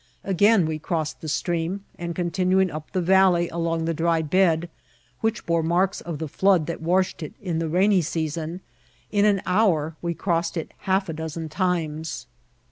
Again we crossed the stream, and, continuing up the valley along the dry bed, which bore marks of the flood that washed it in the rainy season, in an hour we crossed it half a dozen times.